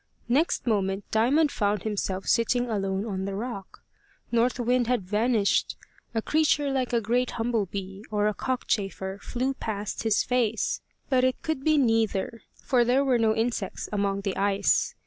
Next moment Diamond found himself sitting alone on the rock. North Wind had vanished. A creature like a great humble bee or cockchafer flew past his face; but it could be neither, for there were no insects amongst the ice.